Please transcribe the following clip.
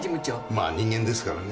まあ人間ですからね。